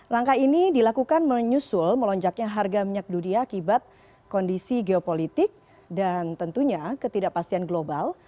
langkah ini dilakukan menyusul melonjaknya harga minyak dunia akibat kondisi geopolitik dan tentunya ketidakpastian global